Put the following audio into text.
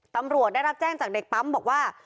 ตำรวจได้รับแจ้งจากเด็กปั๊มบอกว่า